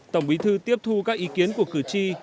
tổng bí thư tiếp thu các ý kiến của cử tri